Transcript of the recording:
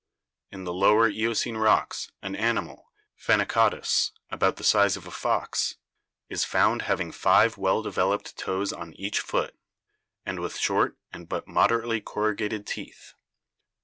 In the lower Eocene rocks an animal, Phena codus, about the size of a fox, is found having five well developed toes on each foot, and with short and but mod erately corrugated teeth.